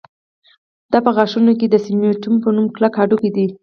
دا په غاښونو کې د سېمنټوم په نوم کلک هډوکی دی